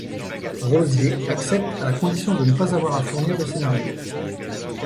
Rozier accepte à la condition de ne pas avoir à fournir de scénario.